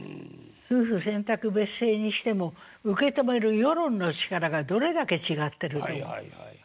夫婦選択別姓にしても受け止める世論の力がどれだけ違ってると思う？」。